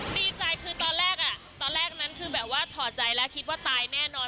ดีใจคือตอนแรกตอนแรกนั้นคือแบบว่าถอดใจแล้วคิดว่าตายแน่นอน